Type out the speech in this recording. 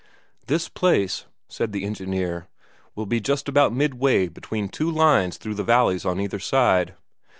"This place," said, the engineer, "will be just about midway between two lines through the valleys on either side.